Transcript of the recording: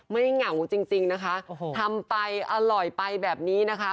เหงาจริงนะคะทำไปอร่อยไปแบบนี้นะคะ